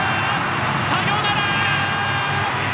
サヨナラ！